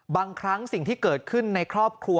บางครั้งสิ่งที่เกิดขึ้นในครอบครัว